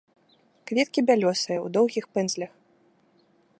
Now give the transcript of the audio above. Кветкі бялёсыя, у доўгіх пэндзлях.